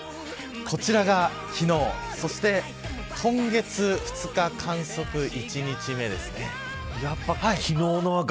こちらが昨日、そして今月２日、観測１日目ですね。